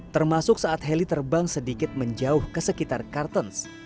termasuk saat heli terbang sedikit menjauh ke sekitar kartens